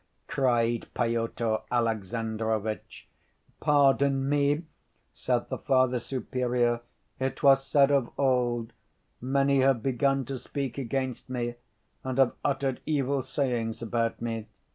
cried Pyotr Alexandrovitch. "Pardon me!" said the Father Superior. "It was said of old, 'Many have begun to speak against me and have uttered evil sayings about me.